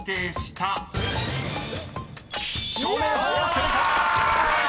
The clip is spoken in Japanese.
［正解！］